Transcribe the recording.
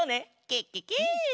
ケケケ！